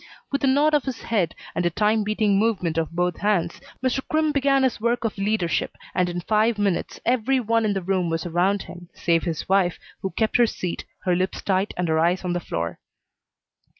With a nod of his head and a time beating movement of both hands, Mr. Crimm began his work of leadership, and in five minutes every one in the room was around him, save his wife, who kept her seat, her lips tight and her eyes on the floor.